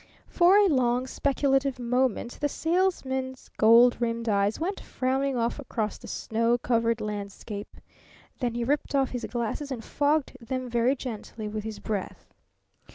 For a long, speculative moment the Salesman's gold rimmed eyes went frowning off across the snow covered landscape. Then he ripped off his glasses and fogged them very gently with his breath.